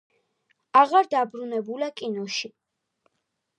აღარ დაბრუნებულა კინოში.